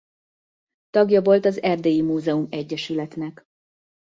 Tagja volt Erdélyi Múzeum-Egyesületnek.